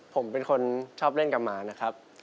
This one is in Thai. ผมเป็นคนชอบเล่นกับหมานะครับ